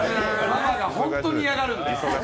ママが本当に嫌がるんで。